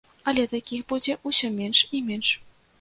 Але такіх будзе ўсё менш і менш.